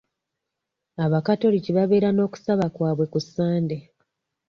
Abakatoliki babeera n'okusaba kwabwe ku Sande.